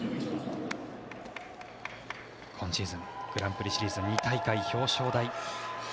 今シーズングランプリシリーズ２大会表彰台